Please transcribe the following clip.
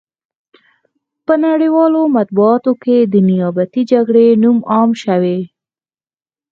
په نړیوالو مطبوعاتو کې د نیابتي جګړې نوم عام شوی.